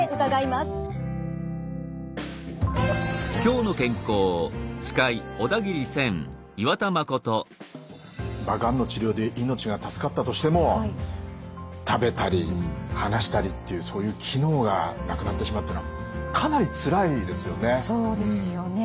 まあがんの治療で命が助かったとしても食べたり話したりっていうそういう機能がなくなってしまうっていうのはかなりつらいですよね。